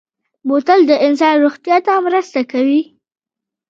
بوتل د انسان روغتیا ته مرسته کوي.